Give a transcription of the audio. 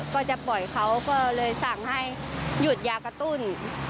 ก็จะปล่อยเขาก็เลยสั่งให้หยุดยากระตุ้น